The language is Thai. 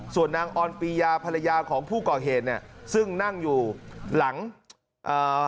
ส่วนนางออนปียาภรรยาของผู้ก่อเหตุเนี่ยซึ่งนั่งอยู่หลังเอ่อ